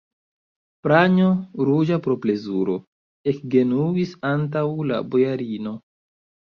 Pranjo, ruĝa pro plezuro, ekgenuis antaŭ la bojarino.